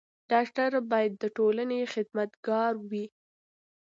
ډاکټر بايد د ټولني خدمت ګار وي.